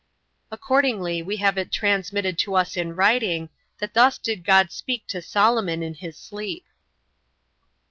Accordingly we have it transmitted to us in writing, that thus did God speak to Solomon in his sleep.